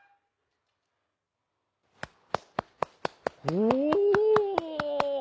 お！